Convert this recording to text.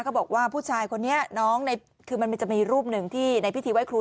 เขาบอกว่าผู้ชายคนนี้น้องคือมันจะมีรูปหนึ่งที่ในพิธีไว้ครู